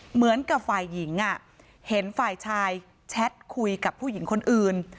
เหมือนกับฝ่ายหญิงเห็นฝ่ายชายแชทคุยกับผู้หญิงคนอื่น